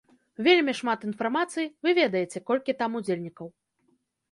Вельмі шмат інфармацыі, вы ведаеце, колькі там удзельнікаў.